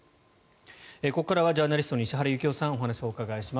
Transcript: ここからはジャーナリストの石原行雄さんにお話をお伺いします。